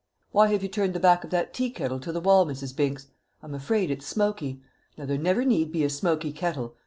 Why have you turned the back of that tea kettle to the wall, Mrs. Binks? I'm afraid it's smoky. Now there never need be a smoky kettle.